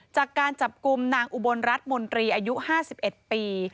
จากการจับกลุ่มนางอุบลรัฐมนตรีอายุ๕๑ปี